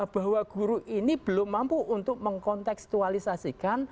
bahwa guru ini belum mampu untuk mengkonteksualisasikan